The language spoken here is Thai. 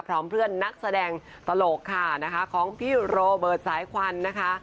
พร้อมเพื่อนนักแสดงตลกค่ะนะคะของพี่โรเบิร์ตสายควันนะคะ